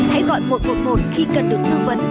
hãy gọi một trăm một mươi một khi cần được tư vấn